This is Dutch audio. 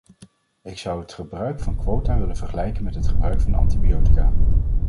Ik zou het gebruik van quota willen vergelijken met het gebruik van antibiotica.